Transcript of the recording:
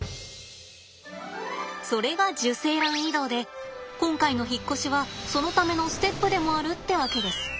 それが受精卵移動で今回の引っ越しはそのためのステップでもあるってわけです。